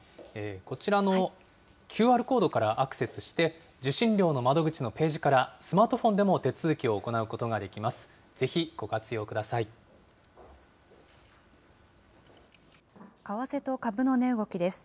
こちらのＱＲコードからアクセスして、受信料の窓口のページからスマートフォンでも手続きを行うことができます。